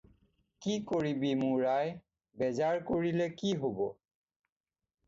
কি কৰিবি মোৰ আই? বেজাৰ কৰিলে কি হ'ব?